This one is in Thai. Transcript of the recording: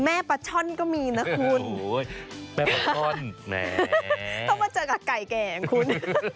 ปลาช่อนก็มีนะคุณแม่ปลาช่อนแหมต้องมาเจอกับไก่แก่งคุณ